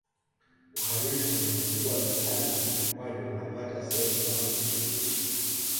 Uhalifu unapungua mitaani kwani wanapata sehemu za kujishughulisha